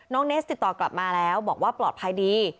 เนสติดต่อกลับมาแล้วบอกว่าปลอดภัยดี